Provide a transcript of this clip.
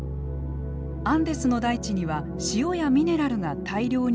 アンデスの大地には塩やミネラルが大量に含まれています。